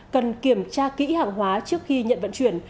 cần kiểm tra kỹ hàng hóa trước khi nhận vận chuyển